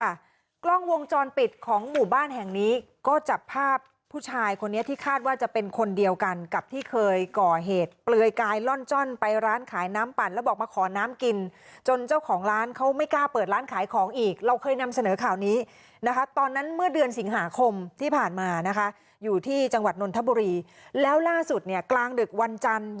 กล้องวงจรปิดของหมู่บ้านแห่งนี้ก็จับภาพผู้ชายคนนี้ที่คาดว่าจะเป็นคนเดียวกันกับที่เคยก่อเหตุเปลือยกายล่อนจ้อนไปร้านขายน้ำปั่นแล้วบอกมาขอน้ำกินจนเจ้าของร้านเขาไม่กล้าเปิดร้านขายของอีกเราเคยนำเสนอข่าวนี้นะคะตอนนั้นเมื่อเดือนสิงหาคมที่ผ่านมานะคะอยู่ที่จังหวัดนนทบุรีแล้วล่าสุดเนี่ยกลางดึกวันจันทร์